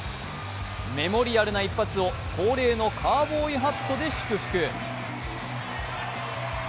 メモリアルな一発を恒例のカウボーイハットで祝福。